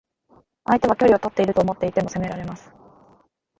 相手は距離をとっていると思っていても攻められます。